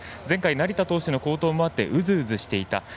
前回、成田投手の好投もあってうずうずしていた。